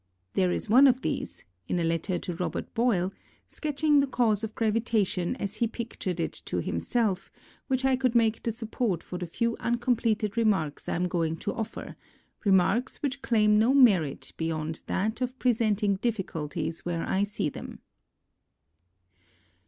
There is one of these, in a letter to Robert Boyle,* sketching the cause of gravitation as he pictured it to himself, which I would make the support for the few uncompleted remarks I am going to offer — remarks which claim no merit beyond that of presenting difficulties where I see them.